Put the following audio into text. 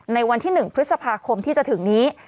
ในวันที่๑พฤษภาคมที่จะถึงนี้